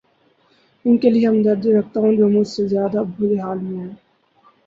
ان کے لیے ہمدردی رکھتا ہوں جو مچھ سے زیادہ برے حال میں ہیں